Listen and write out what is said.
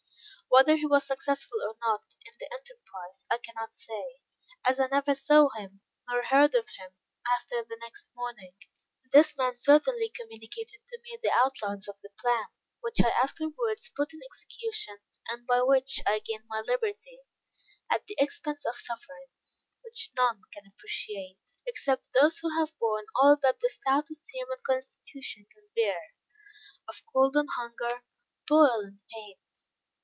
Whether he was successful or not in the enterprise, I cannot say, as I never saw him nor heard of him after the next morning. This man certainly communicated to me the outlines of the plan, which I afterwards put in execution, and by which I gained my liberty, at the expense of sufferings, which none can appreciate, except those who have borne all that the stoutest human constitution can bear, of cold and hunger, toil and pain.